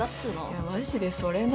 いやマジでそれな。